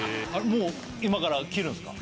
もう今から切るんすか？